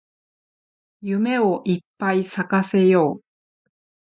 夢をいっぱい咲かせよう